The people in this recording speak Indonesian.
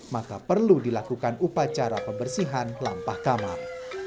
maka perlu dilakukan upacara pembersihan lampah kamar